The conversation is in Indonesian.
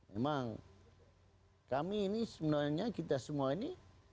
memang kami ini sebenarnya kita semua ini